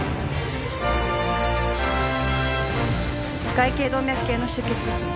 外頸動脈系の出血ですね